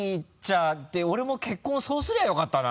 俺も結婚そうすればよかったな。